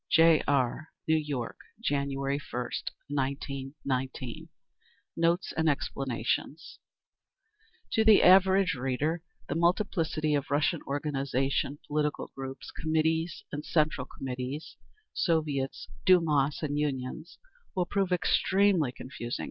J. R. New York, January 1st 1919. Notes and Explanations To the average reader the multiplicity of Russian organisations—political groups, Committees and Central Committees, Soviets, Dumas and Unions—will prove extremely confusing.